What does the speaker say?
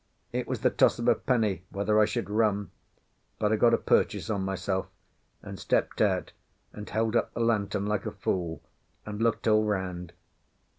It was the toss of a penny whether I should run: but I got a purchase on myself, and stepped out, and held up the lantern (like a fool) and looked all round.